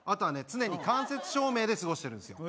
常に間接照明で過ごしてるんですよ